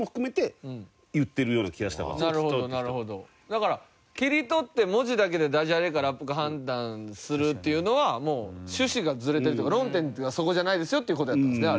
だから切り取って文字だけでダジャレかラップか判断するっていうのはもう趣旨がズレてるっていうか論点はそこじゃないですよっていう事やったんですね